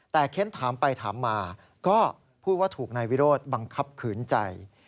แต่เค้นถามไปถามมาก็พูดว่าถูกนายวิโรธบังคับขืนใจ